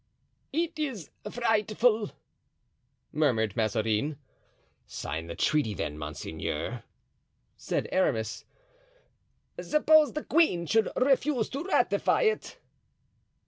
"It is frightful," murmured Mazarin. "Sign the treaty, then, monseigneur," said Aramis. "Suppose the queen should refuse to ratify it?"